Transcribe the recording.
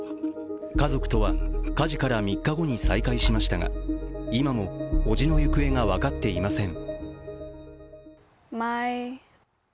家族とは火事から３日後に再会しましたが今も伯父の行方が分かっていません。